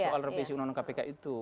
soal revisi undang undang kpk itu